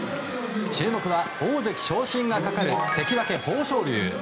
注目は大関昇進がかかる関脇・豊昇龍。